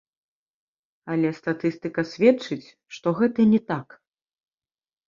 Але статыстыка сведчыць, што гэта не так.